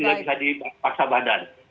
nggak bisa dipaksa badan